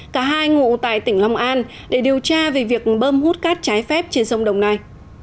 cả hai ngụ tại tỉnh long an để điều tra về việc bơm hút cát trái phép trên sông đồng nai